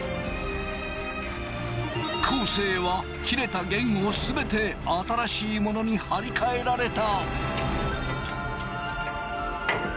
昴生は切れた弦を全て新しいものに張り替えられた。